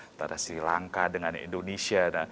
antara sri lanka dengan indonesia